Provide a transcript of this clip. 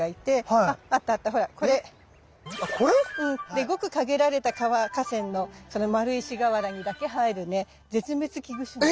でごく限られた河川のその丸石河原にだけ生えるね絶滅危惧種なの。